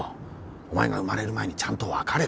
お前が生まれる前にちゃんと別れた。